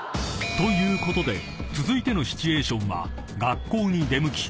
［ということで続いてのシチュエーションは学校に出向き